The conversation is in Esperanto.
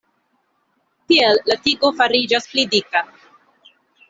Tiel la tigo fariĝas pli dika.